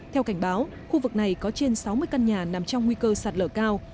theo cảnh báo khu vực này có trên sáu mươi căn nhà nằm trong nguy cơ sạt lở cao